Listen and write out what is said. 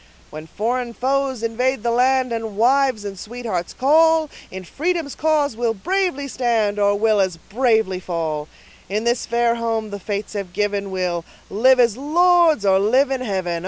When foreign foes invade the land, And wives and sweethearts call, In freedom's cause we'll bravely stand Or will as bravely fall; In this fair home the fates have given We'll live as lords, or live in heaven.